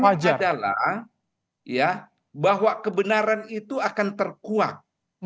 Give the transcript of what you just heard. pertama adalah ya bahwa kebenaran itu akan terkuak